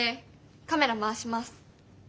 カメラ回します。